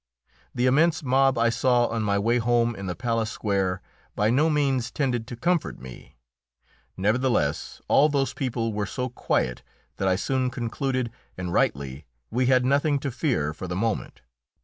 The immense mob I saw on my way home in the palace square by no means tended to comfort me; nevertheless, all those people were so quiet that I soon concluded, and rightly, we had nothing to fear for the moment.